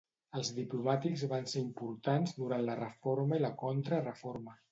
Els diplomàtics van ser importants durant la Reforma i la Contrareforma.